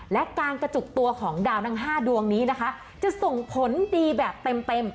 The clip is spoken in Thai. และการกระจุกตัวของดาวทั้ง๕ดวงนี้นะคะจะส่งผลดีแบบเต็ม